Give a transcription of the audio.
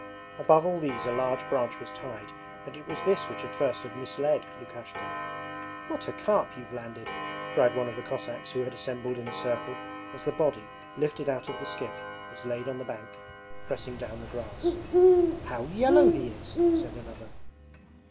Above all these a large branch was tied, and it was this which at first had misled Lukashka. 'What a carp you've landed!' cried one of the Cossacks who had assembled in a circle, as the body, lifted out of the skiff, was laid on the bank, pressing down the grass. 'How yellow he is!' said another.